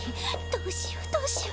どうしようどうしよう。